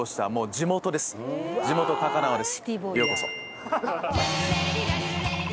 地元高輪です。